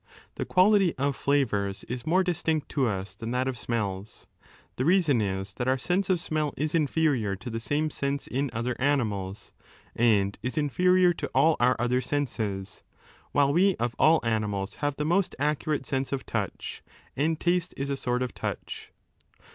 The quality of flavours is more distinct to us than that of smells. The reason is that our sense 441 a of smell is inferior to the same sense in other animals, and is inferior to all our other senses, while we of all animals have the most accurate sense of touch, and taste 3 is a sort of touch.